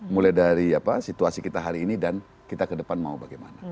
mulai dari situasi kita hari ini dan kita ke depan mau bagaimana